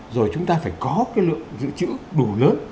rồi chúng ta phải có cái lượng dự trữ đủ lớn